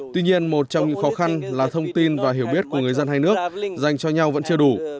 tuy nhiên một trong những khó khăn là thông tin và hiểu biết của người dân hai nước dành cho nhau vẫn chưa đủ